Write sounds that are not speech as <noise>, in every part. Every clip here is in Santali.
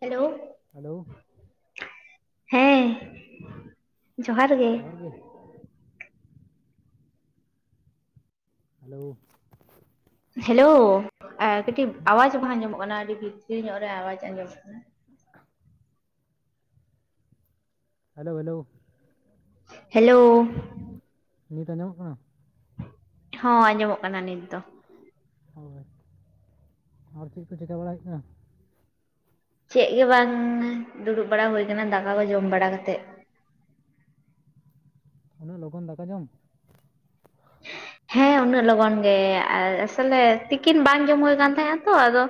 ᱦᱮᱞᱳ ᱦᱮᱞᱳ ᱦᱮᱸ ᱡᱚᱦᱟᱨ ᱜᱮ ᱦᱮᱞᱳ ᱦᱮᱞᱳ ᱠᱟᱹᱴᱤᱡ ᱟᱣᱟᱡᱽ ᱵᱟᱝ ᱟᱸᱡᱚᱢᱚᱜ ᱠᱟᱱᱟ ᱟᱹᱰᱤ ᱵᱷᱤᱛᱨᱤ ᱧᱚᱜ ᱨᱮ ᱟᱣᱟᱡᱽ ᱟᱸᱡᱚᱢᱚᱜ ᱠᱟᱱᱟ <inaudible> ᱦᱮᱞᱳ ᱦᱮᱞᱳ ᱦᱮᱞᱳ ᱱᱤᱛ ᱟᱸᱡᱚᱢᱚᱜ ᱠᱟᱱᱟ ᱦᱚᱸ ᱟᱸᱡᱚᱢᱚᱜ ᱠᱟᱱᱟ ᱱᱤᱛ ᱫᱚ ᱦᱳᱭ ᱟᱨ ᱪᱮᱫ ᱠᱚ ᱪᱤᱠᱟ ᱵᱟᱲᱟ ᱦᱩᱭᱩᱜ ᱠᱟᱱᱟ ᱪᱮᱫ ᱜᱮ ᱵᱟᱝ ᱫᱩᱲᱩᱵ ᱵᱟᱲᱟ ᱦᱩᱭ ᱟᱠᱟᱱᱟ ᱫᱟᱠᱟ ᱠᱚ ᱡᱚᱢ ᱵᱟᱲᱟ ᱠᱟᱛᱮᱫ ᱩᱱᱟᱹᱜ ᱞᱚᱜᱚᱱ ᱫᱟᱠᱟ ᱡᱚᱢ ᱦ <unintelligible> ᱦᱮᱸ ᱩᱱᱟᱹᱜ ᱞᱚᱜᱚᱱ ᱜᱮ ᱟᱥᱚᱞᱮ ᱛᱤᱠᱤᱱ ᱵᱟᱝ ᱡᱚᱢ ᱦᱩᱭ ᱟᱠᱟᱱᱛᱟᱦᱮᱫᱱᱟ ᱛᱚ ᱟᱫᱚ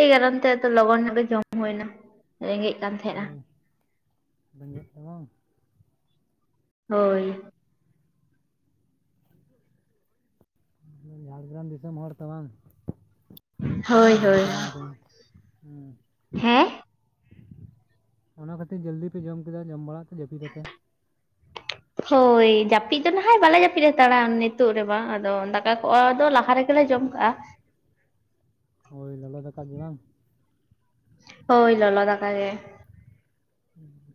ᱮᱭ ᱠᱟᱨᱚᱱ ᱛᱮ ᱞᱚᱜᱚᱱ ᱧᱚᱜ ᱜᱮ ᱡᱚᱢ ᱦᱩᱭ ᱮᱱᱟ ᱨᱮᱸᱜᱮᱜ ᱳᱭ ᱵᱮᱸᱜᱮᱫ ᱚ ᱵᱟᱝ᱾ ᱦᱳᱭ ᱡᱷᱟᱲᱜᱨᱟᱢ ᱫᱤᱥᱚᱢ ᱦᱚᱲ ᱛᱚ ᱵᱟᱝ? <inaudible> ᱦᱳᱭ ᱦᱳᱭ ᱦᱮᱸ ᱚᱱᱟ ᱠᱷᱟᱹᱛᱤᱨ ᱡᱟᱹᱞᱫᱤ ᱯᱮ ᱡᱚᱢ ᱠᱮᱫᱟ, ᱡᱚᱢ ᱵᱟᱲᱟ ᱠᱟᱛᱮ ᱡᱟᱹᱯᱤᱫ ᱟᱯᱮ᱾ ᱦᱳᱭ ᱡᱟᱹᱯᱤᱫ ᱫᱚ ᱱᱟᱦᱟᱜ ᱵᱟᱞᱮ ᱡᱟᱹᱯᱤᱫ ᱦᱟᱛᱟᱲᱟ ᱱᱤᱛᱳ ᱨᱮ ᱵᱟᱝ ᱟᱫᱚ ᱫᱟᱠᱟ ᱠᱚᱜᱼᱟᱫᱚ ᱞᱟᱦᱟ ᱨᱮᱜᱮᱞᱮ ᱡᱚᱢ <unintelligible> ᱦᱳᱭ ᱞᱚᱞᱚ ᱫᱟᱠᱟᱫ ᱜᱮ ᱵᱟᱝ? ᱦᱳᱭ ᱞᱚᱞᱚ ᱫᱟᱠᱟ ᱜᱮ᱾ ᱩᱸ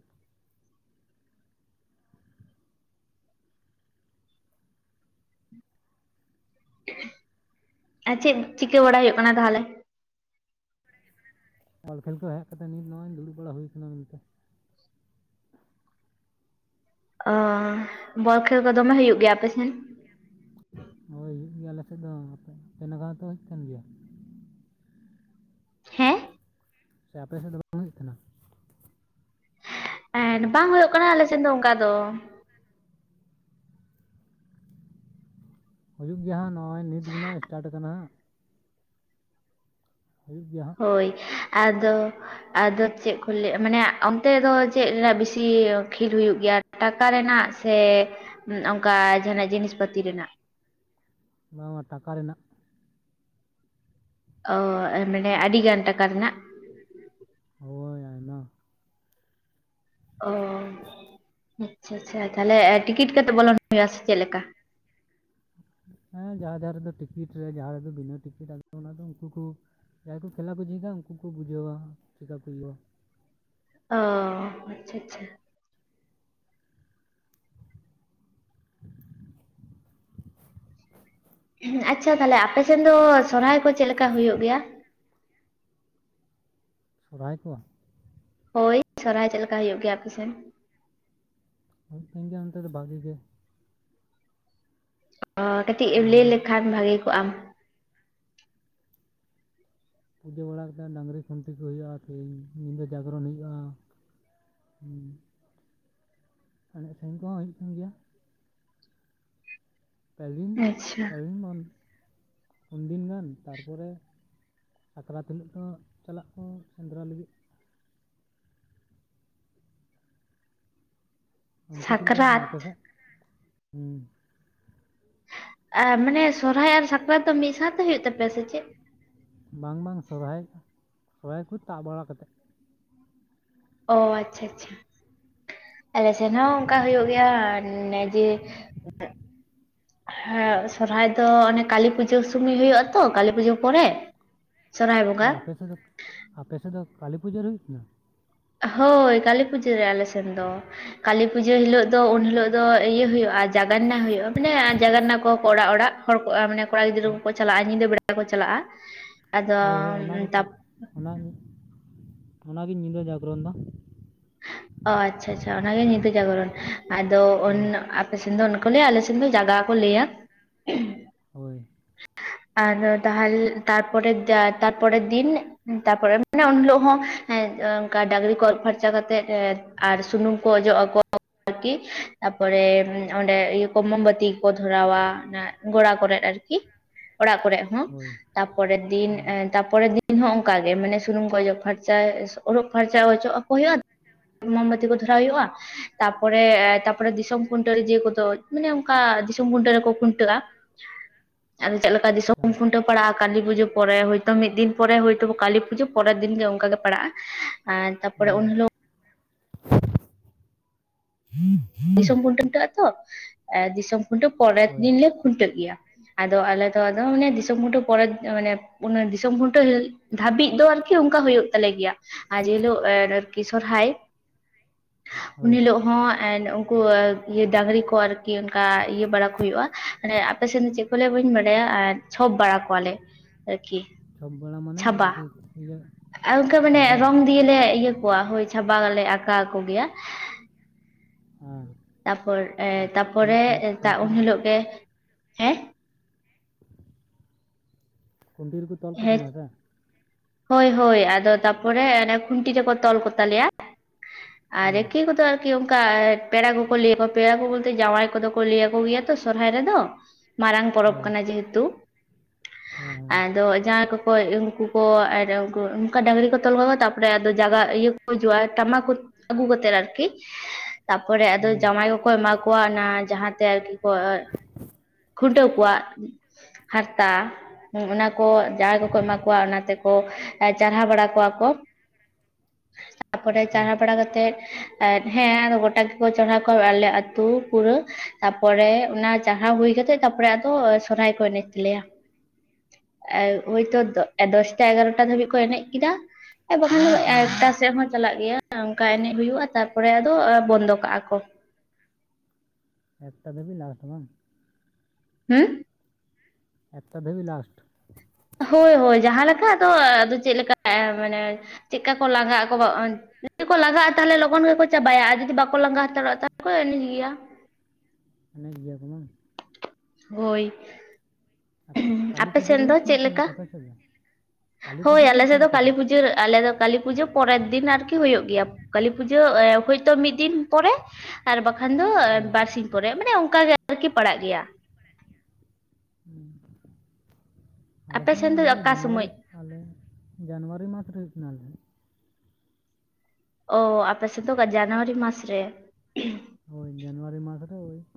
ᱟᱨ ᱪᱮᱫ ᱪᱤᱠᱟᱹ ᱵᱟᱲᱟᱭ ᱦᱳᱭᱳᱜ ᱠᱟᱱᱟ ᱛᱟᱦᱞᱮ? ᱵᱚᱞ ᱠᱷᱮᱞ ᱠᱚ ᱦᱮᱡ ᱠᱟᱛᱮ ᱱᱤᱛ ᱱᱚᱜᱚᱭ ᱫᱩᱲᱩᱵ ᱵᱟᱲᱟ ᱦᱳᱭ ᱠᱟᱱᱟ ᱱᱚᱱ ᱛᱮ᱾ ᱚᱻ ᱵᱚᱞ ᱠᱷᱮᱞ ᱠᱚ ᱫᱚᱢᱮ ᱦᱩᱭᱩᱜ ᱜᱮᱭᱟ ᱟᱯᱮᱥᱮᱱ? ᱦᱳᱭ ᱦᱩᱭᱩᱜ ᱜᱮᱭᱟ ᱟᱞᱮ ᱥᱮᱫ ᱫᱚᱯᱮ ᱟᱯᱮ ᱱᱟᱜ ᱛᱚ ᱦᱩᱭᱩᱜ ᱠᱟᱱ ᱜᱮᱭᱟ᱾ ᱦᱮᱸ ᱥᱮ ᱟᱯᱮ ᱥᱮᱫ ᱫᱚ ᱵᱟᱝ ᱦᱩᱭᱩᱜ ᱛᱟᱦᱮᱱᱟ᱾ ᱵᱟᱝ ᱦᱩᱭᱩᱜ ᱠᱟᱱᱟ ᱟᱞᱮ ᱥᱮᱱ ᱫᱚ ᱚᱱᱠᱟ ᱫᱚ᱾ ᱦᱩᱭᱩᱜ ᱜᱮᱭᱟ ᱦᱟᱸᱜ ᱱᱚᱜᱼᱚᱭ ᱱᱤᱛᱜᱮᱢᱟ ᱤᱥᱴᱟᱴ ᱟᱠᱟᱱᱟ ᱦᱟᱸᱜ᱾ ᱦᱩᱭᱩᱜ ᱜᱮᱭᱟ᱾ ᱦᱟᱸᱜ ᱦᱳᱭ ᱟᱫᱚ ᱟᱫᱚ ᱪᱮᱫ ᱠᱚ ᱞᱟᱹ ᱢᱟᱱᱮ ᱚᱱᱛᱮ ᱫᱚ ᱪᱮᱫ ᱨᱮᱱᱟᱜ ᱵᱤᱥ ᱛᱤ ᱠᱷᱮᱞ ᱦᱩᱭᱩᱜ ᱜᱮᱭᱟ᱾ ᱴᱟᱠᱟ ᱨᱮᱱᱟᱜ ᱥᱮ ᱚᱝᱠᱟ ᱡᱟᱦᱟᱸᱱᱟᱜ ᱡᱤᱱᱤᱥ ᱯᱟᱛᱤ ᱨᱮᱱᱟᱜ? ᱵᱟᱝᱢᱟ ᱴᱟᱠᱟ ᱨᱮᱱᱟᱜ᱾ ᱚ ᱢᱟᱱᱮ ᱟᱹᱰᱤ ᱜᱟᱱ ᱴᱟᱠᱟ ᱨᱮᱱᱟᱜ᱾ ᱦᱳᱭ ᱟᱭᱢᱟ᱾ ᱚ ᱟᱪᱪᱷᱟ ᱟᱪᱪᱷᱟ ᱛᱟᱦᱚᱞᱮ ᱴᱤᱠᱤᱴ ᱠᱟᱛᱮ ᱵᱚᱞᱚᱱ ᱦᱳᱭᱳᱜᱼᱟ ᱥᱮ ᱪᱮᱫ ᱞᱮᱠᱟ? ᱦᱮᱸ ᱡᱟᱦᱟᱸ ᱡᱟᱦᱟᱸ ᱨᱮᱫᱚ ᱴᱤᱠᱤᱴ ᱨᱮ ᱡᱟᱦᱟᱸ ᱨᱮᱫᱚ ᱵᱤᱱᱟᱹ ᱴᱤᱠᱤᱴ ᱟ ᱚᱱᱟ ᱫᱚ ᱩᱱᱠᱩ ᱠᱚ ᱡᱟᱦᱟᱸᱭ ᱠᱚ ᱠᱷᱮᱞᱟ ᱠᱚ ᱡᱤᱠᱟ ᱩᱱᱠᱩ ᱠᱚ ᱵᱩᱡᱷᱟᱹᱣᱟ ᱪᱮᱠᱟ ᱛᱮ ᱦᱩᱭᱩᱜᱼᱟ᱾ ᱚ ᱟᱪᱪᱷᱟ ᱟᱪᱪᱷᱟ <inaudible> ᱟᱪᱪᱷᱟ ᱛᱟᱦᱞᱮ ᱟᱯᱮᱥᱮᱱ ᱫᱚ ᱥᱚᱨᱦᱟᱭ ᱠᱚ ᱪᱮᱫ ᱞᱮᱠᱟ ᱦᱩᱭᱩᱜ ᱜᱮᱭᱟ? ᱥᱚᱨᱦᱟᱭ ᱠᱚ ᱦᱳᱭ ᱥᱚᱨᱦᱟᱭ ᱪᱮᱫ ᱞᱮᱠᱟ ᱦᱩᱭᱩᱜ ᱜᱮᱭᱟ ᱟᱯᱮᱥᱮᱱ? ᱦᱩᱭᱩᱜ ᱠᱟᱱ ᱜᱮᱭᱟ ᱚᱱᱛᱮ ᱫᱚ ᱵᱷᱟᱜᱤ ᱜᱮ᱾ ᱚ ᱠᱟᱹᱴᱤᱡ ᱮᱢ ᱞᱟᱹᱭ ᱰᱟᱹᱝᱨᱤ ᱞᱮᱠᱷᱟᱱ ᱵᱷᱟᱜᱮ ᱠᱚᱜᱼᱟᱢ ᱯᱩᱡᱟᱹ ᱵᱟᱲᱟ ᱠᱟᱛᱮᱫ ᱰᱟᱹᱝᱨᱤ ᱠᱷᱩᱱᱴᱤ ᱠᱚ ᱦᱩᱭᱩᱜᱼᱟ, ᱛᱮᱦᱤᱧ ᱧᱤᱫᱟᱹ ᱡᱟᱜᱚᱨᱚᱱ ᱦᱩᱭᱩᱜᱼᱟ᱾ ᱦᱩᱸ ᱮᱱᱮᱡ ᱥᱮᱨᱮᱧ ᱠᱚᱦᱚᱸ ᱦᱩᱭᱩᱜ ᱠᱟᱱ ᱜᱮᱭᱟ᱾ ᱯᱮᱨᱤᱱ ᱟᱪᱪᱷᱟ ᱯᱟᱨᱤᱱ ᱢᱟᱱ ᱯᱩᱱ ᱫᱤᱱ ᱜᱟᱱ ᱛᱟᱨᱯᱚᱨᱮ ᱥᱟᱠᱨᱟᱛ ᱦᱤᱞᱚᱜ ᱫᱚ ᱪᱟᱞᱟᱜ ᱠᱚ ᱥᱮᱸᱫᱽᱨᱟ ᱞᱟᱹᱜᱤᱫ ᱚᱱᱛᱮ ᱪᱮᱫ ᱞᱮᱠᱟ ᱦᱩᱭᱩᱜ ᱠᱟᱱᱟ ᱥᱟᱠᱨᱟᱛ ᱟᱯᱮ ᱥᱮᱫ ᱢᱟᱱᱮ ᱥᱚᱨᱦᱟᱭ ᱟᱨ ᱥᱟᱠᱨᱟᱛ ᱫᱚ ᱢᱤᱫ ᱥᱟᱶᱛᱮ ᱦᱩᱭᱩᱜ ᱛᱟᱯᱮᱭᱟ ᱥᱮ ᱪᱮᱫ? ᱵᱟᱝ ᱵᱟᱝ ᱥᱚᱨᱦᱟᱭ ᱥᱚᱨᱦᱟᱭ ᱠᱚ ᱪᱟᱵᱟ ᱵᱟᱲᱟ ᱠᱟᱛᱮᱫ ᱚ ᱟᱪᱪᱷᱟ ᱟᱪᱪᱷᱟ ᱟᱞᱮ ᱥᱮᱱ ᱦᱚᱸ ᱚᱱᱠᱟ ᱦᱩᱭᱩᱜ ᱜᱮᱭᱟ ᱚᱱ ᱡᱮ ᱦᱮᱸ ᱥᱚᱨᱦᱟᱭ ᱫᱚ ᱚᱱᱮ ᱠᱟᱹᱞᱤ ᱯᱩᱡᱟᱹ ᱥᱩᱢᱚᱭ ᱦᱩᱭᱩᱜᱼᱟ ᱛᱚ ᱠᱟᱹᱞᱤ ᱯᱩᱡᱟᱹ ᱯᱚᱨᱮ ᱥᱚᱨᱦᱟᱭ ᱵᱚᱸᱜᱟ ᱦᱳᱭ ᱟᱯᱮ ᱥᱮᱫ ᱫᱚ ᱟᱯᱮ ᱥᱮᱫ ᱫᱚ ᱠᱟᱹᱞᱤ ᱯᱩᱡᱟ. ᱨᱮ ᱦᱩᱭᱩᱜ ᱠᱟᱱᱟ? ᱦᱳᱭ ᱠᱟᱹᱞᱤ ᱯᱩᱡᱟᱹ ᱨᱮ ᱟᱞᱮ ᱥᱮᱱ ᱫᱚ ᱠᱟᱹᱞᱤ ᱯᱩᱡᱟᱹ ᱦᱤᱞᱳᱜ ᱫᱚ ᱩᱱ ᱦᱤᱞᱳᱜ ᱫᱚ ᱤᱭᱟᱹ ᱦᱩᱭᱩᱜᱼᱟ, ᱡᱟᱜᱱᱟ ᱦᱩᱭᱩᱜᱼᱟ ᱢᱟᱱᱮ ᱡᱟᱜᱱᱟ ᱠᱚ ᱠᱚ ᱚᱲᱟᱜ ᱚᱲᱟᱜ᱾ ᱦᱚᱲ ᱠᱚ ᱢᱟᱱᱮ ᱠᱚᱲᱟ ᱜᱤᱫᱽᱨᱟᱹ ᱦᱳᱭ ᱠᱚᱠᱚ ᱪᱟᱞᱟᱜᱼᱟ ᱧᱤᱫᱟᱹ ᱵᱮᱲᱟ ᱠᱚ ᱪᱟᱞᱟᱜᱼᱟ, ᱟᱫᱚ ᱛᱟ ᱚᱱᱟᱜᱮ ᱚᱱᱟᱜᱮ ᱧᱤᱫᱟᱹ ᱡᱟᱜᱽᱨᱚᱱ ᱫᱚ᱾ ᱚ ᱟᱪᱪᱷᱟ ᱟᱪᱪᱷᱟ ᱚᱱᱟᱜᱮ ᱧᱤᱫᱟᱹ ᱡᱟᱜᱚᱨᱚᱱ ᱟᱫᱚ ᱦᱳᱭ ᱟᱯᱮ ᱥᱮᱱ ᱫᱚ ᱠᱚ ᱞᱟᱹᱭᱟ ᱟᱞᱮ ᱥᱮᱫ ᱫᱚ ᱡᱟᱜᱟᱣ ᱠᱚ ᱞᱟᱹᱭᱟ᱾ ᱦᱳᱭ ᱟᱫᱚ ᱛᱟᱦᱚᱞᱮ ᱛᱟᱨᱯᱚᱨᱮᱨ ᱛᱟᱨᱯᱚᱨᱮᱨ ᱫᱤᱱ ᱛᱟᱨᱯᱚᱨᱮ ᱢᱟᱱᱮ ᱩᱱ ᱦᱤᱞᱳᱜ ᱦᱚᱸ ᱰᱟᱹᱝᱨᱤ ᱠᱚ ᱟᱨᱩᱵ ᱯᱷᱟᱨᱪᱟ ᱠᱟᱛᱮ ᱟᱨ ᱥᱩᱱᱩᱢ ᱠᱚ ᱚᱡᱚᱜ ᱟᱠᱚ ᱟᱨᱠᱤ ᱛᱟᱯᱚᱨᱮ ᱚᱸᱰᱮ ᱠᱚ ᱢᱳᱢᱵᱟᱹᱛᱤ ᱠᱚ ᱫᱷᱚᱨᱟᱣᱟ᱾ ᱜᱚᱲᱟ ᱠᱚᱨᱮ ᱟᱨᱠᱤ ᱚᱲᱟᱜ ᱠᱚᱨᱮ ᱦᱚᱸ ᱦᱳᱭ ᱛᱟᱨᱯᱚᱨᱮᱨ ᱫᱤᱱ ᱦᱩᱸ, ᱛᱟᱨᱯᱚᱨᱮᱨ ᱫᱤᱱ ᱦᱚᱸ ᱚᱱᱠᱟᱜᱮ ᱢᱟᱱᱮ ᱥᱩᱱᱩᱢ ᱠᱚ ᱚᱡᱚᱜ ᱯᱷᱟᱨᱪᱟ ᱚᱡᱚᱜ ᱯᱷᱟᱨᱪᱟ ᱚᱪᱚᱜᱼᱟ ᱦᱩᱭᱩᱜᱼᱟ ᱢᱳᱢᱵᱟᱹᱛᱤ ᱠᱚ ᱫᱷᱚᱨᱟᱣ ᱦᱩᱭᱩᱜᱼᱟ᱾ ᱛᱟᱨᱯᱚᱨᱮ ᱛᱟᱨᱯᱚᱨᱮ ᱫᱤᱥᱚᱢ ᱠᱷᱩᱱᱴᱟᱹᱣ ᱨᱮ ᱫᱮ ᱠᱚᱫᱚ ᱢᱟᱱᱮ ᱚᱱᱠᱟ ᱫᱤᱥᱚᱢ ᱠᱷᱩᱱᱴᱟᱹᱣ ᱨᱮᱠᱚ ᱠᱷᱩᱱᱴᱟᱹᱜᱼᱟ᱾ ᱟᱫᱚ ᱪᱮᱫ ᱞᱮᱠᱟ ᱟᱪᱪᱷᱟ ᱫᱤᱥᱚᱢ ᱠᱷᱩᱱᱴᱟᱹᱣ ᱯᱟᱲᱟᱜᱼᱟ ᱠᱟᱹᱞᱤ ᱯᱩᱡᱟᱹ ᱯᱚᱨᱮ ᱦᱚᱭ ᱛᱚ ᱢᱤᱫ ᱫᱤᱱ ᱯᱚᱨᱮ ᱦᱚᱭ ᱛᱚ ᱠᱟᱹᱞᱤ ᱯᱩᱡᱟᱹ ᱯᱚᱨᱮᱨ ᱫᱤᱱ ᱜᱮ ᱚᱱᱠᱟ ᱜᱮ ᱯᱟᱲᱟᱜᱼᱟ ᱟᱨ ᱛᱟᱯᱚᱨᱮ ᱦᱩᱸ, ᱩᱱ ᱦᱤᱞᱚᱜ <inaudible> ᱫᱤᱥᱚᱢ ᱠᱷᱩᱱᱴᱟᱹᱜ ᱟ ᱛᱚ ᱮ ᱫᱤᱥᱚᱢ ᱠᱷᱩᱱᱴᱟᱹᱣ ᱯᱚᱨᱮᱨ ᱦᱳᱭ ᱫᱤᱱ ᱞᱮ ᱠᱷᱩᱱᱴᱟᱹᱜ ᱜᱮᱭᱟ᱾ ᱟᱫᱚ ᱟᱞᱮ ᱫᱚ ᱟᱫᱚ ᱢᱟᱱᱮ ᱫᱤᱥᱚᱢ ᱠᱷᱩᱱᱴᱟᱹᱣ ᱯᱚᱨᱮᱛ ᱢᱟᱱᱮᱼᱼ ᱚᱱᱟ ᱫᱤᱥᱚᱢ ᱠᱷᱩᱱᱴᱟᱹᱣ ᱫᱷᱟᱹᱵᱤᱡ ᱫᱚ ᱟᱨᱠᱤ ᱚᱱᱠᱟ ᱦᱩᱭᱩᱜ ᱛᱟᱞᱮ ᱜᱮᱭᱟ᱾ ᱟᱨ ᱡᱮᱦᱤᱞᱳᱜ ᱮ ᱟᱨᱠᱤ ᱥᱚᱨᱦᱟᱭ, ᱩᱱ ᱦᱳᱭ ᱦᱤᱞᱳᱜ ᱦᱚᱸ ᱮ᱾ ᱩᱱᱠᱩ ᱰᱟᱹᱝᱨᱤ ᱠᱚ ᱟᱨᱠᱤ ᱚᱱᱠᱟ ᱤᱭᱟᱹ ᱵᱟᱲᱟ ᱠᱚ ᱦᱩᱭᱩᱜᱼᱟ ᱾ ᱢᱟᱱᱮ ᱟᱯᱮ ᱥᱮᱱ ᱫᱚ ᱪᱮᱫ ᱠᱚ ᱞᱟᱹᱭᱟ ᱵᱟᱹᱧ ᱵᱟᱰᱟᱭᱟ ᱟᱨᱼᱼ ᱪᱷᱚᱵ ᱵᱟᱲᱟ ᱠᱚᱣᱟᱞᱮ ᱟᱨᱠᱤ ᱾ ᱪᱷᱚᱵ ᱵᱟᱲᱟ ᱢᱟᱱᱮ ᱟᱨᱠᱤ ᱤᱭᱟᱹ <unintelligible> ᱛᱤ ᱞᱮ ᱤᱭᱟᱹ ᱠᱚᱣᱟ ᱦᱳᱭ ᱪᱷᱟᱵᱟ ᱫᱚᱞᱮ ᱟᱠᱟᱣ ᱠᱚ ᱜᱮᱭᱟ᱾ ᱚᱼᱼ ᱛᱟᱯᱚᱨ ᱮ ᱛᱟᱯᱚᱨᱮ ᱫᱟᱜ ᱠᱷᱩᱱᱴᱤ ᱮᱱ ᱨᱮ- ᱦᱤᱞᱚᱜ ᱜᱮ, ᱦᱮᱸ? ᱠᱩᱸᱰᱤᱨ ᱠᱚ ᱛᱚᱞ ᱦᱮᱸ ᱠᱤᱱᱟ ᱵᱟᱝ ᱦᱳᱭ ᱦᱳᱭ ᱟᱫᱚ ᱛᱟᱯᱚᱨᱮ ᱚᱱᱮ ᱠᱷᱩᱱᱴᱤ ᱨᱮᱠᱚ ᱛᱚᱞ ᱠᱚᱛᱟ ᱞᱮᱭᱟ ᱟᱨ ᱦᱳᱭ ᱠᱮ ᱠᱚᱫᱚ ᱟᱨᱼᱼ ᱠᱤ ᱚᱝᱠᱟ ᱯᱮᱲᱟ ᱠᱚᱠᱚ ᱞᱟᱹᱭᱟᱣᱟ ᱯᱮᱲᱟ ᱠᱚ ᱵᱚᱞᱛᱮ ᱡᱟᱶᱟᱭ ᱠᱚᱫᱚ ᱠᱚ ᱞᱟᱹᱭ ᱟᱠᱚ ᱜᱮᱭᱟ ᱛᱚ ᱥᱚᱨᱦᱟᱭ ᱨᱮᱫᱚ᱾ ᱢᱟᱨᱟᱝ ᱯᱚᱨᱚᱵᱽ ᱦᱳᱭ ᱠᱟᱱᱟ ᱡᱮᱦᱮᱛᱩ᱾ ᱦᱮᱸ ᱟᱫᱚ ᱡᱟᱣᱟᱸᱭ ᱠᱚᱠᱚ ᱩᱱᱠᱩ ᱠᱚ ᱟᱨ ᱚᱱᱠᱟ ᱰᱟᱝᱨᱤ ᱠᱚ ᱛᱚᱞ ᱠᱚᱣᱟ ᱛᱟᱯᱚᱨᱮ ᱟᱫᱚ ᱡᱟᱜᱟ ᱤᱭᱟᱹ ᱠᱚ ᱦᱤᱡᱩᱜᱼᱟ ᱴᱟᱢᱟᱠ ᱨᱩ ᱟᱹᱜᱩ ᱠᱟᱛᱮᱫ ᱟᱨᱠᱤ᱾ ᱛᱟᱯᱚᱨᱮ ᱟᱫᱚ ᱦᱩᱸ, ᱡᱟᱶᱟᱭ ᱠᱚᱠᱚ ᱮᱢᱟ ᱠᱚᱣᱟ ᱚᱱᱟ ᱡᱟᱦᱟᱸᱛᱮ ᱟᱨᱠᱤ ᱠᱚ ᱠᱷᱩᱱᱴᱟᱹᱣ ᱠᱚᱣᱟᱜ ᱦᱟᱨᱛᱟ ᱚᱱᱟ ᱠᱚ᱾ ᱡᱟᱣᱟᱸᱭ ᱠᱚᱠᱚ ᱮᱢᱟ ᱠᱚᱣᱟ ᱚᱱᱟᱛᱮᱠᱚ ᱪᱟᱨᱦᱟᱣ ᱵᱟᱲᱟ ᱠᱚᱣᱟ ᱠᱚ᱾ ᱛᱟᱯᱚᱨᱮ ᱟᱪᱪᱷᱟ ᱪᱟᱨᱦᱟ ᱵᱟᱲᱟ ᱠᱟᱛᱮᱫ᱾ ᱦᱮᱸ ᱜᱚᱴᱟ ᱜᱮᱠᱚ ᱪᱟᱲᱦᱟᱣ ᱠᱚᱣᱟ ᱟᱞᱮ ᱟᱹᱛᱩ ᱯᱩᱨᱟᱹ ᱛᱟᱯᱚᱨᱮ ᱚᱱᱟ ᱪᱟᱲᱦᱟᱣ ᱦᱩᱭ ᱠᱟᱛᱮᱜᱼᱼ ᱛᱟᱯᱚᱨᱮ ᱟᱫᱚ ᱥᱚᱨᱦᱟᱭ ᱠᱚ ᱮᱱᱮᱡ ᱛᱟᱞᱮᱭᱟ᱾ ᱮ ᱦᱚᱭᱛᱳ ᱫᱚᱥᱴᱟ ᱮᱜᱟᱨᱚᱴᱟ ᱫᱷᱟᱹᱵᱤᱡ ᱠᱚ ᱮᱱᱮᱡ ᱠᱮᱫᱟ᱾ ᱟᱨ ᱵᱟᱠᱷᱟᱱ ᱫᱚ ᱦᱩᱸ, ᱮᱠᱴᱟ ᱥᱮᱫ ᱦᱚᱸ ᱪᱟᱞᱟᱜ ᱜᱮᱭᱟ᱾ ᱚᱝᱠᱟ ᱮᱱᱮᱡ ᱦᱩᱭᱩᱜᱼᱟ ᱛᱟᱨᱯᱚᱨᱮ ᱟᱫᱚ ᱵᱚᱱᱫᱚ ᱠᱟᱜᱼᱟ ᱠᱚ᱾ ᱮᱠᱴᱟ ᱫᱷᱟᱹᱵᱤᱡ ᱞᱟᱥᱴ ᱵᱟᱝ? ᱦᱩᱸ ᱮᱠᱴᱟ ᱫᱷᱟᱵᱤᱡ ᱞᱟᱥᱴ᱾ ᱦᱳᱭ ᱦᱳᱭ ᱡᱟᱦᱟᱸ ᱞᱮᱠᱟ ᱫᱚ ᱟᱫᱚ ᱪᱮᱫᱞᱮᱠᱟ ᱢᱟᱱᱮ ᱪᱮᱫᱠᱟ ᱠᱚ ᱞᱟᱸᱜᱟ ᱟᱠᱚ᱾ ᱡᱩᱫᱤ ᱠᱚ ᱞᱟᱜᱟᱜᱼᱟ ᱛᱟᱦᱚᱞᱮ ᱞᱚᱜᱚᱱ ᱜᱮᱠᱚ ᱪᱟᱵᱟᱭᱟ ᱟᱨ ᱡᱩᱫᱤ ᱵᱟᱠᱚ ᱞᱟᱸᱜᱟ ᱦᱟᱛᱟᱲᱚᱜᱼᱟ ᱛᱟᱦᱚᱞᱮ ᱠᱚ ᱮᱱᱮᱡ ᱜᱮᱭᱟ ᱾ ᱮᱱᱮᱡ ᱜᱤᱭᱟᱹ ᱠᱚ ᱵᱟᱝ? ᱦᱚᱭ ᱾ ᱠᱟᱞᱤ ᱯᱩᱡᱟᱹ ᱨᱮ ᱦᱩᱭ ᱛᱟᱦᱮᱱᱟ ᱟᱯᱮ ᱥᱮᱡ ᱫᱚ? ᱠᱟᱹᱞᱤ ᱦᱚᱭ ᱯᱩᱡᱟᱹ ᱨᱮ ᱦᱩᱭᱩᱜ ᱟᱞᱮᱥᱮᱫ ᱠᱟᱱᱟ ᱫᱚ ᱟᱯᱮ ᱠᱟᱹᱞᱤ ᱥᱮᱫ ᱯᱩᱡᱟᱹ ᱟᱨ ᱟᱞᱮ ᱫᱚ ᱠᱟᱞᱤ ᱯᱩᱡᱟᱹ ᱯᱚᱨᱮᱨ ᱫᱤᱱ ᱟᱨᱠᱤ ᱦᱩᱭᱩᱜ ᱜᱮᱭᱟ ᱾ ᱠᱟᱞᱤ ᱯᱩᱡᱟᱹ ᱦᱮᱸ ᱦᱚᱭᱛᱚ ᱢᱤᱫ ᱫᱤᱱ ᱯᱚᱨᱮ ᱟᱨ ᱵᱟᱠᱷᱟᱱ ᱫᱚ ᱦᱳᱭ ᱵᱟᱨᱥᱤᱧ ᱯᱚᱨᱮ ᱢᱟᱱᱮ ᱚᱱᱠᱟ ᱜᱮ ᱟᱨᱠᱤ ᱯᱟᱲᱟᱜ ᱜᱮᱭᱟ ᱦᱩ ᱟᱞᱮᱥᱮᱫ ᱟᱯᱮ ᱢᱟ ᱥᱮᱱ ᱫᱚ ᱤᱭᱟᱹ ᱚᱠᱟ ᱡᱟᱱᱩᱣᱟᱨᱤ ᱥᱚᱢᱚᱭ ᱟᱞᱮ ᱡᱟᱱᱩᱣᱟᱨᱤ ᱢᱟᱥ ᱨᱮ ᱦᱩᱭᱩᱜ ᱠᱟᱱᱟᱞᱮ ᱚ ᱟᱯᱮᱥᱮᱫ ᱫᱚ ᱡᱟᱱᱩᱣᱟᱨᱤ ᱢᱟᱥ ᱨᱮ? ᱦᱚᱭ ᱡᱟᱱᱩᱣᱟᱨᱤ ᱢᱟᱥ ᱨᱮ ᱦᱩᱭᱩᱜ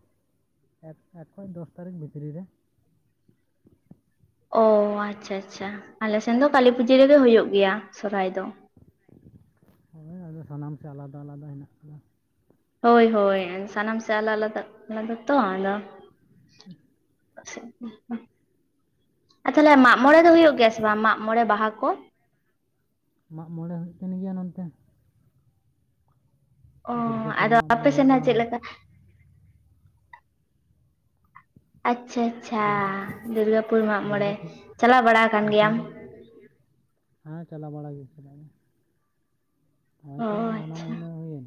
ᱠᱟᱱᱟ ᱮᱠ ᱠᱷᱚᱱ ᱫᱚᱥ ᱛᱟᱹᱨᱤᱠᱷ ᱵᱷᱤᱛᱨᱤ ᱨᱮ ᱾ ᱚ ᱟᱪᱪᱷᱟ ᱟᱪᱪᱷᱟ ᱟᱞᱮᱥᱮᱱ ᱫᱚ ᱠᱟᱞᱤ ᱯᱩᱡᱟᱹ ᱨᱮᱜᱮ ᱦᱩᱭᱩᱜ ᱜᱮᱭᱟ ᱥᱚᱦᱚᱨᱟᱭ ᱫᱚ ᱾ ᱦᱚᱭ ᱟᱫᱚ ᱥᱟᱱᱟᱢ ᱥᱮ ᱟᱞᱟᱫᱟ ᱟᱞᱟᱫᱟ ᱦᱮᱱᱟᱜ ᱠᱚᱣᱟ ᱦᱚᱭ ᱦᱚᱭ ᱥᱟᱱᱟᱢ ᱥᱮ ᱟᱞᱟ ᱟᱞᱟᱫᱟ ᱟᱞᱟᱫᱟ ᱛᱚ ᱪᱮᱫ ᱦᱚᱸ ᱦᱚᱸ ᱟᱨ ᱛᱟᱦᱞᱮ ᱢᱟᱜ ᱢᱚᱬᱮ ᱫᱚ ᱦᱩᱭᱩᱜ ᱜᱮᱭᱟ ᱥᱮ ᱵᱟᱝ ᱢᱟᱜ ᱢᱚᱬᱮ ᱵᱟᱦᱟ ᱠᱚ? ᱢᱟᱜ ᱢᱚᱬᱮ ᱦᱩᱭᱩᱜ ᱠᱟᱱ ᱜᱮᱭᱟ ᱱᱚᱱᱛᱮ ᱚᱦᱚ, ᱫᱩᱨᱜᱟᱹᱯᱩᱨ ᱟᱫᱚ ᱢᱟᱜ ᱢᱚᱬᱮ ᱟᱯᱮ ᱦᱩᱭᱩᱜᱼᱟ ᱥᱮᱱᱱᱟᱜ ᱪᱮᱫ ᱞᱮᱠᱟ? ᱟᱪᱪᱷᱟ ᱟᱪᱪᱷᱟ, ᱫᱩᱨᱜᱟᱹ ᱫᱩᱨᱜᱟᱹᱯᱩᱨ ᱢᱟᱜᱢᱚᱬᱮ ᱫᱩᱨᱜᱟᱹᱯᱩᱨ ᱪᱟᱞᱟᱣ ᱵᱟᱲᱟ ᱟᱠᱟᱱ ᱧᱩᱛᱩᱢ ᱜᱮᱭᱟᱢ? ᱠᱚ ᱦᱮᱸ ᱪᱟᱞᱟᱣ ᱵᱟᱲᱟ ᱦᱩᱭᱩᱜ ᱛᱟᱦᱮᱱ ᱜᱮᱭᱟ ᱚ ᱦᱮᱸᱛᱚ ᱦᱟᱱᱟ ᱟᱪᱪᱷᱟ ᱢᱟᱹᱦᱤᱱᱟ ᱦᱩᱭᱮᱱ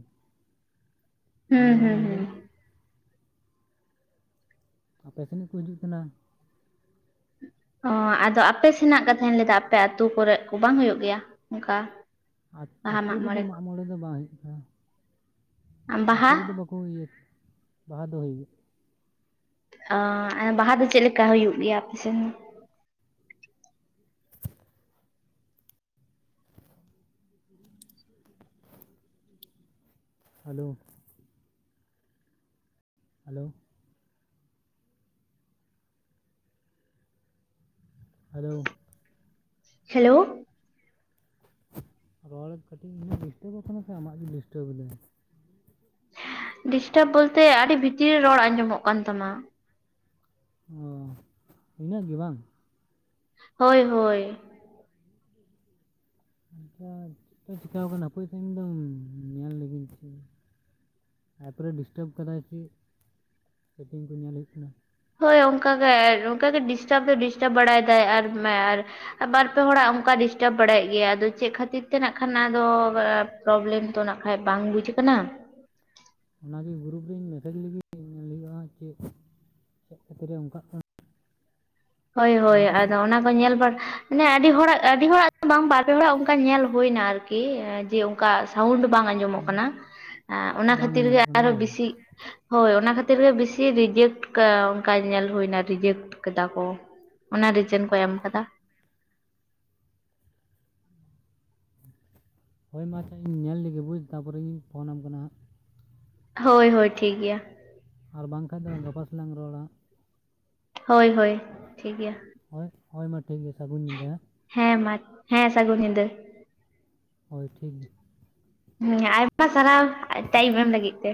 ᱦᱟᱱᱟ ᱦᱩᱸ ᱢᱟᱹᱦᱤᱱᱟ ᱦᱩᱸ ᱦᱩᱭᱮᱱ ᱦᱩᱸ ᱟᱯᱮ ᱥᱮᱱ ᱨᱤ ᱠᱚ ᱦᱤᱡᱩᱜ ᱠᱟᱱᱟ ᱦᱚᱸ ᱟᱫᱚ ᱟᱯᱮ ᱥᱮᱱᱟᱜ ᱠᱟᱛᱷᱟᱧ ᱞᱟᱹᱭᱫᱟ ᱟᱯᱮ ᱟᱹᱛᱩ ᱠᱚᱨᱮᱫ ᱠᱚ ᱵᱟᱝ ᱦᱩᱭᱩᱜ ᱜᱮᱭᱟ ᱚᱱᱠᱟ ᱟᱞᱮ ᱟᱹᱛᱩ ᱨᱮᱫᱚ ᱢᱟᱜ ᱢᱚᱬᱮ ᱫᱚ ᱵᱟᱝ ᱦᱩᱭᱩᱜ ᱛᱟᱦᱮᱱᱟ ᱟᱹᱛᱩ ᱵᱟᱦᱟ ᱨᱮᱫᱚ ᱵᱟᱠᱚᱼᱼ ᱠᱚ ᱤᱭᱟᱹ ᱵᱟᱦᱟ ᱫᱚ ᱦᱩᱭᱩᱜ ᱜᱮ ᱟᱸ ᱟᱨ ᱵᱟᱦᱟ ᱫᱚ ᱪᱮᱫ ᱞᱮᱠᱟ ᱦᱩᱭᱩᱜ ᱜᱮᱭᱟ ᱟᱯᱮ ᱥᱮᱱ? ᱦᱟᱹᱞᱚᱣ ᱦᱟᱹᱞᱚᱣ ᱦᱟᱞᱟᱹᱣ ᱦᱮᱞᱚᱣ ᱨᱚᱲ ᱠᱟᱹᱴᱤᱡ ᱤᱧ ᱰᱤᱥᱴᱟᱵᱚᱜ ᱠᱟᱱᱟ, ᱥᱮ ᱟᱢᱟᱜ ᱜᱮ ᱰᱤᱥᱴᱟᱵᱮ ᱫᱟᱭ? ᱰᱤᱥᱴᱟᱵᱽ ᱵᱚᱞᱛᱮ ᱟᱹᱰᱤ ᱵᱷᱤᱛᱤᱨ ᱨᱮ ᱨᱚᱲ ᱟᱸᱡᱚᱢᱚᱜ ᱠᱟᱱ ᱛᱟᱢᱟ ᱚᱦᱚ, ᱤᱱᱟᱹ ᱜᱮ ᱵᱟᱝ ᱦᱚᱭ, ᱦᱚᱭ ᱟᱪᱪᱷᱟ ᱪᱮᱜ ᱛᱮ ᱪᱮᱠᱟᱣ ᱠᱟᱱᱟ, ᱚᱠᱚᱭ ᱠᱤᱱ ᱫᱚ ᱧᱮᱞ ᱞᱮᱜᱤᱧ ᱪᱮ ᱛᱟᱨᱯᱚᱨᱮ ᱰᱤᱥᱴᱟᱵᱽ ᱠᱟᱫᱟᱭ ᱪᱮᱫ, ᱥᱮᱴᱤᱝ ᱠᱚ ᱧᱮᱞ ᱦᱩᱭᱩᱜ ᱠᱟᱱᱟ ᱦᱚᱭ ᱚᱱᱠᱟᱜᱮ ᱚᱱᱠᱟᱜᱮ ᱰᱤᱥᱴᱟᱵᱽ ᱮ ᱫᱚ ᱰᱤᱥᱴᱟᱵᱽ ᱵᱟᱲᱟᱭ ᱫᱟᱭ ᱟᱨ ᱢᱟ ᱟᱨ ᱵᱟᱨᱯᱮ ᱦᱚᱲᱟᱜ ᱚᱱᱠᱟ ᱰᱤᱥᱴᱟᱵᱽ ᱵᱟᱲᱟᱭᱮᱫ ᱜᱮᱭᱟ ᱟᱫᱚ ᱪᱮᱫ ᱠᱷᱟᱹᱛᱤᱨ ᱛᱮ ᱱᱟᱜ ᱠᱷᱟᱱ ᱱᱟ ᱫᱚ ᱚ ᱚ? ᱯᱨᱚᱵᱞᱮᱢ ᱛᱚ ᱱᱟᱜ ᱠᱷᱟᱡ ᱵᱟᱝ ᱵᱩᱡᱽ ᱠᱟᱱᱟ ᱚᱱᱟᱜᱮ ᱜᱩᱨᱩᱯ ᱨᱮᱧ ᱢᱮᱥᱮᱡ ᱞᱟᱹᱜᱤᱫ ᱧᱮᱞ ᱦᱩᱭᱩᱜᱼᱟ ᱪᱮᱫ, ᱪᱮᱫ ᱠᱷᱟᱹᱛᱤᱨ ᱚᱱᱠᱟᱜ ᱠᱟᱱᱟ? ᱦᱚᱭ ᱦᱚᱭ ᱮᱱᱠᱷᱟᱱ ᱟᱫᱚ ᱚᱱᱟᱼᱼ ᱧᱮᱞ ᱵᱟᱲᱟ ᱢᱟᱱᱮ ᱟᱹᱰᱤ ᱦᱚᱲᱟᱜ ᱟᱹᱰᱤ ᱦᱚᱲᱟᱜ ᱫᱚ ᱵᱟᱝ ᱵᱟᱨᱯᱮ ᱦᱚᱲᱟᱜ ᱚᱱᱠᱟ ᱧᱮᱞ ᱦᱳᱭᱱᱟ ᱟᱨᱠᱤ ᱡᱮ ᱚᱱᱠᱟ ᱥᱟᱣᱩᱱᱰ ᱵᱟᱝ ᱟᱸᱡᱚᱢᱚᱜ ᱠᱟᱱᱟ ᱮ ᱚᱱᱟ ᱵᱟᱝ ᱠᱷᱟᱹᱛᱤᱨ ᱜᱮ ᱟᱸᱡᱚᱢᱚᱜ ᱠᱟᱱᱟ ᱟᱨ ᱵᱟᱝ ᱵᱮᱥᱤ ᱦᱚᱭ ᱚᱱᱟ ᱠᱷᱟᱹᱛᱤᱨ ᱜᱮ ᱵᱤᱥᱤ ᱨᱤᱡᱮᱠᱴ ᱠᱟᱭ ᱚᱱᱠᱟ ᱧᱮᱞ ᱦᱩᱭᱱᱟ ᱨᱤᱡᱮᱠᱴ ᱠᱟᱫᱟ ᱠᱚ ᱾ ᱚᱱᱟ ᱨᱤᱡᱮᱱ ᱠᱚ ᱮᱢ ᱠᱟᱫᱟ ᱾ ᱦᱚᱭ ᱢᱟ ᱟᱪᱪᱷᱟ ᱤᱧ ᱧᱮᱞ ᱞᱮᱜᱮ ᱵᱩᱡᱽ ᱛᱟᱨᱯᱚᱨᱮᱧ ᱯᱷᱚᱱᱟᱢ ᱠᱟᱱᱟ ᱦᱟᱸᱜ ᱦᱚᱭ ᱦᱚᱭ ᱴᱷᱤᱠ ᱜᱮᱭᱟ ᱾ ᱟᱨ ᱵᱟᱝᱠᱷᱟᱱ ᱫᱚ ᱜᱟᱯᱟ ᱥᱮᱜᱼᱞᱟᱝ ᱨᱚᱲᱟ? ᱦᱚᱭ ᱦᱚᱭ ᱴᱷᱤᱠ ᱜᱮᱭᱟ ᱦᱚᱭ ᱦᱚᱭ ᱢᱟ ᱴᱷᱤᱠ ᱜᱮᱭᱟ ᱥᱟᱹᱜᱩᱱ ᱧᱤᱫᱟᱹ ᱦᱮᱸ ᱦᱮᱸ ᱢᱟ ᱦᱮᱸ ᱥᱟᱹᱜᱩᱱ ᱧᱤᱫᱟᱹ ᱦᱳᱭ ᱴᱷᱤᱠ ᱦᱮᱸ ᱟᱭᱢᱟ ᱥᱟᱨᱦᱟᱣ ᱴᱟᱭᱤᱢ ᱮᱢ ᱞᱟᱹᱜᱤᱫ ᱛᱮ